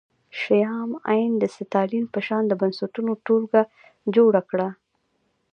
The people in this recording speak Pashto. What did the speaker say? شیام عین د ستالین په شان د بنسټونو ټولګه جوړه کړه